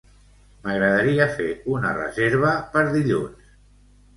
M'agradaria fer una reserva per dilluns.